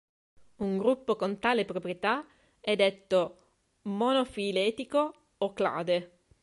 Un gruppo con tale proprietà è detto monofiletico o clade.